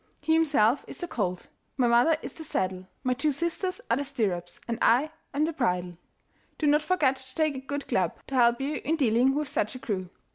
He himself is the colt, my mother is the saddle, my two sisters are the stirrups, and I am the bridle. Do not forget to take a good club, to help you in dealing with such a crew.